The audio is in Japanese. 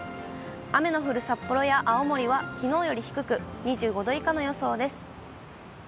雨の降る札幌や青森はきのうより低く、２５度以下の予想です。